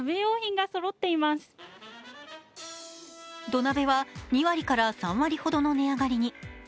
土鍋は２割から３割ほどの値上がりに。